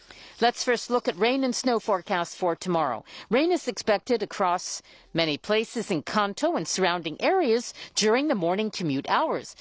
そうですね。